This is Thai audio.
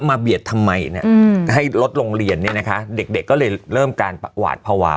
เบียดทำไมเนี่ยให้รถโรงเรียนเนี่ยนะคะเด็กเด็กก็เลยเริ่มการหวาดภาวะ